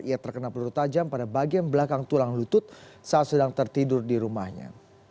ia terkena peluru tajam pada bagian belakang tulang lutut saat sedang tertidur di rumahnya